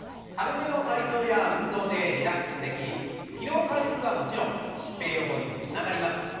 軽めの体操や運動でリラックスでき疲労回復はもちろん疾病予防にもつながります。